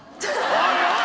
おいおい